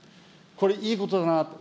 これ、いいことだなと。